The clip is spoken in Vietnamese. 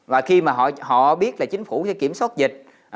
và khi mà họ biết là chính phủ sẽ kiểm soát dịch